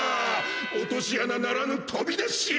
「落とし穴ならぬ飛び出し穴」。